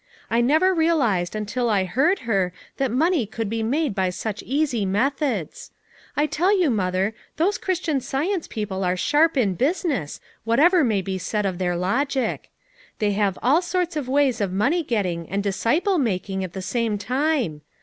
I never realized until I heard her that money could be made by such easy methods. I tell you, Mother, those Christian Science people are sharp in business, whatever may be said of their logic. They have all sorts of ways of money getting and disciple making at the same time.